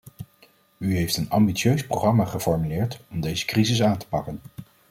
U heeft een ambitieus programma geformuleerd om deze crises aan te pakken.